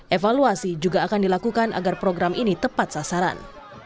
evaluasi juga akan dilakukan agar program ini tepat sasaran